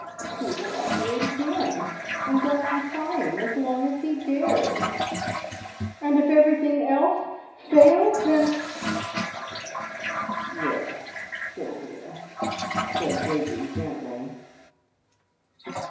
"He will operate again, and go on trying as long as he dare." "And if everything else fails, then " "Yes, Sylvia," said Bridgie gently.